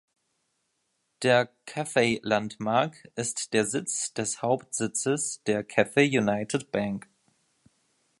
Der Cathay Landmark ist der Sitz des Hauptsitzes der Cathay United Bank.